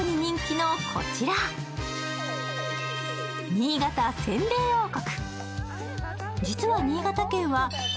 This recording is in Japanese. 新潟せんべい王国。